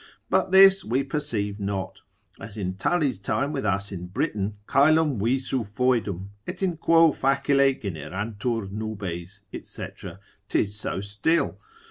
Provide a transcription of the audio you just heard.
But this we perceive not; as in Tully's time with us in Britain, coelum visu foedum, et in quo facile generantur nubes, &c., 'tis so still.